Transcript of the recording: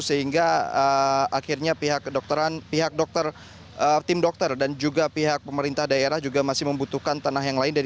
sehingga akhirnya pihak dokter tim dokter dan juga pihak pemerintah daerah juga masih membutuhkan tanah yang lain